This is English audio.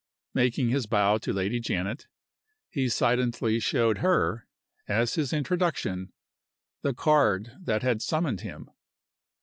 Making his bow to Lady Janet, he silently showed her, as his introduction, the card that had summoned him.